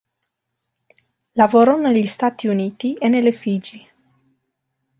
Lavorò negli Stati Uniti e nelle Figi.